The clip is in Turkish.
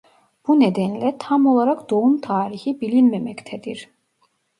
Bu nedenle tam olarak doğum tarihi bilinmemektedir.